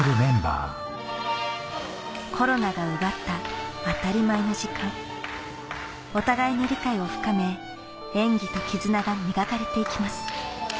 コロナが奪った当たり前の時間お互いに理解を深め演技と絆が磨かれていきます